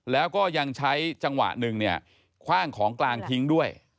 แล้วก็ยังใช้จังหวะหนึ่งเนี่ยคว่างของกลางทิ้งด้วย